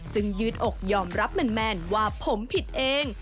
ซึ่งยืดอกยอมรับแมนว่าผมผิดเอง